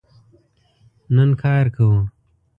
نن کار کوو